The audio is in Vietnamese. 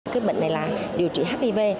kết bệnh này là điều trị hiv